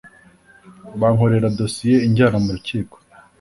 bankorera dosiye injyana mu Rukiko